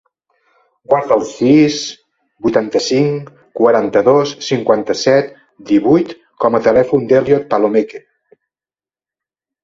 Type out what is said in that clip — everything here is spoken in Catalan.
Guarda el sis, vuitanta-cinc, quaranta-dos, cinquanta-set, divuit com a telèfon de l'Elliot Palomeque.